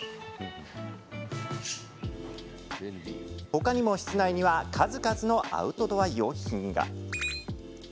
ほかにも、室内には数々のアウトドア用品が。